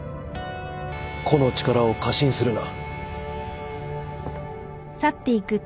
個の力を過信するな。